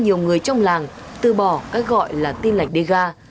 nhiều người trong làng tư bỏ các gọi là tiên lạch đế ga